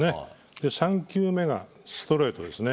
３球目がストレートですね。